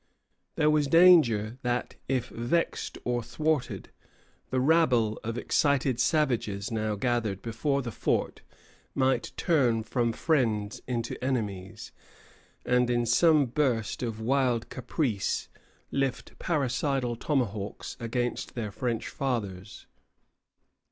There was danger that, if vexed or thwarted, the rabble of excited savages now gathered before the fort might turn from friends into enemies, and in some burst of wild caprice lift parricidal tomahawks against their French fathers.